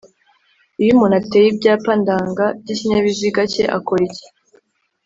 iyo umuntu ateye Ibyapa ndanga by’ikinyabiziga cye akora iki